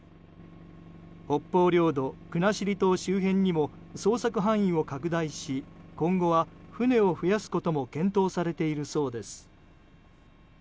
北方領土・国後島周辺にも捜索範囲を拡大し今後は船を増やすことも検討されているそうです。